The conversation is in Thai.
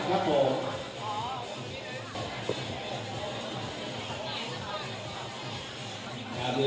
ขอบคุณครับ